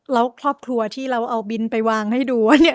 แล้วครอบครัวที่เราเอาบินไปวางให้ดูว่าเนี่ย